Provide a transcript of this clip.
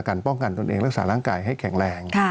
ป้องกันตนเองรักษาร่างกายให้แข็งแรง